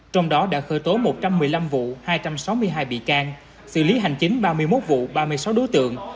trong đó đã khởi tố một trăm một mươi năm vụ hai trăm sáu mươi hai bị can xử lý hành chính ba mươi một vụ ba mươi sáu đối tượng